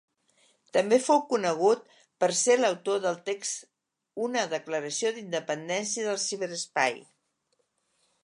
També fou conegut per ser l'autor del text Una declaració d'independència del ciberespai.